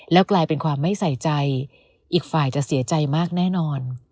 แล้วกลายเป็นความไม่ใส่ใจอีกฝ่ายจะเสียใจมากแน่นอน